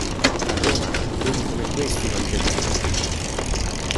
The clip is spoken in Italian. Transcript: A Roma lumi come questi non ce ne sono.